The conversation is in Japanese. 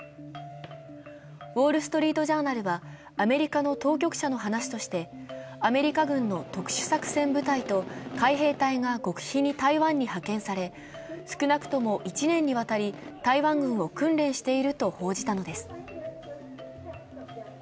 「ウォールストリート・ジャーナル」はアメリカの当局者の話として、アメリカ軍の特殊作戦部隊と海兵隊が極秘に台湾に派遣され、少なくとも１年にわたり、台湾軍を訓練していると報じたのです。